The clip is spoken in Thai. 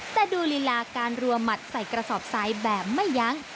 แต่ดูลีลาการรัวหมัดใส่กระสอบซ้ายแบบไม่ยั้ง